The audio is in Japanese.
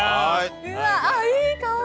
うわいい香り。